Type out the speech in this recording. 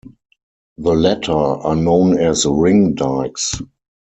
The latter are known as ring dikes.